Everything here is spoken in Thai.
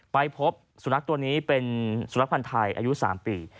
ไปพบสุนัขตัวนี้เป็นสุนัขพันธ์ไทยอายุ๓ปี